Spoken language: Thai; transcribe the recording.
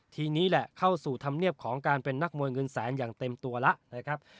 ทีนี้แหละเข้าสู่ธรรมเนียบของการเป็นนักมวยเงินแสนอย่างเต็มตัวแล้วนะครับ